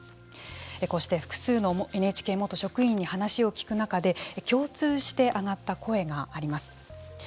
こうして複数のＮＨＫ元職員に話を聞く中で共通して上がった声があります。